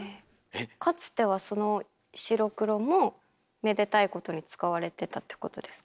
かつてはその白黒もめでたいことに使われてたってことですか？